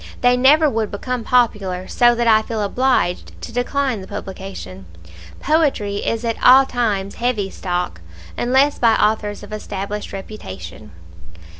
They never would become popular, so that I feel obliged to decline the publication. Poetry is at all times heavy stock, unless by authors of established reputation."